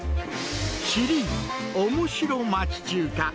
シリーズおもしろ町中華。